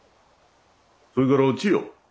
それからお千代。